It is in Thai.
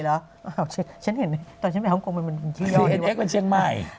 อ้าวฉันเห็นตอนฉันไปห้องโกงมันชื่อยอดเลยว่ะ